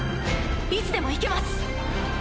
いつでもいけます。